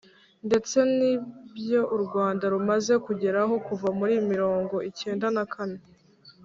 ndetse n'ibyo u rwanda rumaze kugeraho kuva muri mirongo icyenda na kane